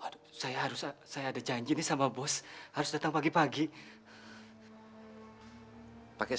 ada suara orang nangis deh mas